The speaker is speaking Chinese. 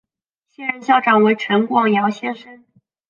现任校长为陈广尧先生。